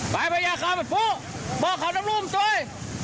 ฝ่ายพญาคำพี่ผู้บอกข้าวน้ำรุ่มช่วย